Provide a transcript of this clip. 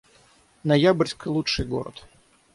Ноябрьск — лучший город